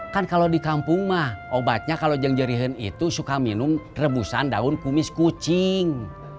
kan kalo di kampung mah obatnya kalo jengjerihan itu suka minum rebusan daun kumis kucing